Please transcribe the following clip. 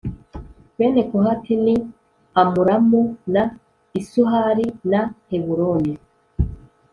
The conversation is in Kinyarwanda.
Bene kohati ni amuramu na isuhari na heburoni